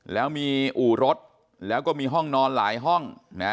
แล้วมีอู่รถแล้วก็มีห้องนอนหลายห้อง